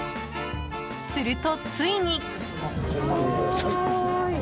すると、ついに。